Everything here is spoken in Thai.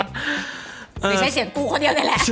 หรือใช้เสียงกูคนเดียวนี่แหละ